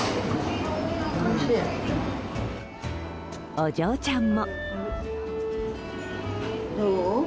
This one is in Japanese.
お嬢ちゃんも。